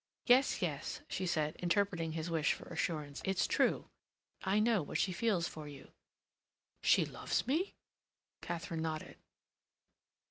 "Yes, yes," she said, interpreting his wish for assurance, "it's true. I know what she feels for you." "She loves me?" Katharine nodded.